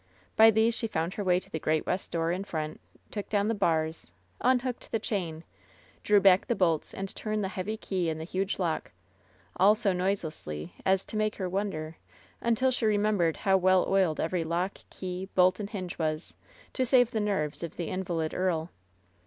By these she found her way to the great west door in front, took down the bars, unhooked the chain, drew back the bolts, and turned the heavy key in the huge lock — all so noiselessly as to make her wonder, until she remembered how well oiled every lock, key, bolt and hinge was, to save the nerves of the invalid earl.